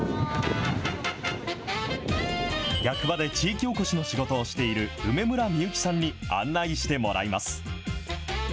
役場で地域おこしの仕事をしている梅村みゆきさんに案内してもらいます。